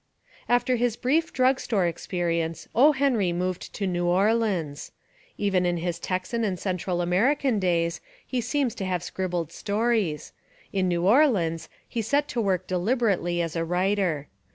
After his brief drug store experience O. Henry moved to New Orleans. Even In his Texan and Central American days he seems to have scribbled stories. In New Orleans he set to work deliberately as a writer.